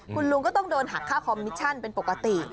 คุณลุงก็ต้องโดนหักค่าคอมมิชชั่นเป็นปกติ